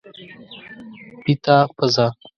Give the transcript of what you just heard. پیته پزه